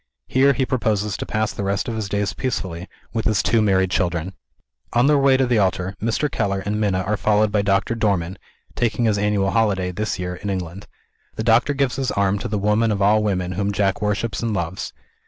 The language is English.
Here he proposes to pass the rest of his days peacefully, with his two married children. On their way to the altar, Mr. Keller and Minna are followed by Doctor Dormann (taking his annual holiday, this year, in England). The doctor gives his arm to the woman of all women whom Jack worships and loves.